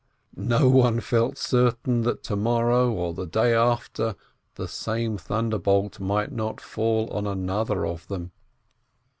No one felt certain that to morrow or the day after the same thunderbolt might not fall on another of them.